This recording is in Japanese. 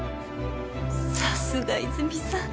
さすが泉さん。